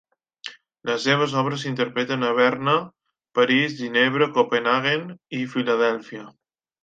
Les seves obres s'interpreten a Berna, París, Ginebra, Copenhaguen i Filadèlfia.